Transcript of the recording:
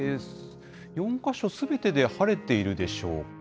４か所すべてで晴れているでしょうか。